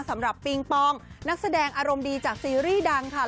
ปิงปองนักแสดงอารมณ์ดีจากซีรีส์ดังค่ะ